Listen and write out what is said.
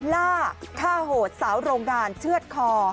ล่าฆ่าโหดสาวโรงงานเชื่อดคอ